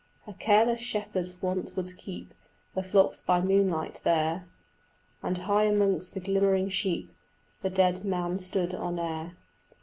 A careless shepherd once would keep The flocks by moonlight there, (1) And high amongst the glimmering sheep The dead man stood on air.